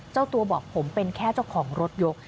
เจ้าตัวบอกผมเป็นแค่เจ้าของรถยก